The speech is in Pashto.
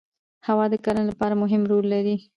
هوا د کرنې لپاره مهم رول لري